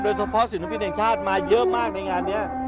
เฉพาะศิลปินแห่งชาติมาเยอะมากในงานนี้